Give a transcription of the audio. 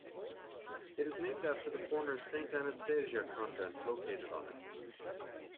It is named after the former Saint Anastasia convent located on it.